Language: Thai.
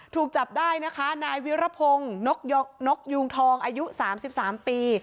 ถูกจับได้นะคะนายวิรพงศ์นกยูงทองอายุ๓๓ปี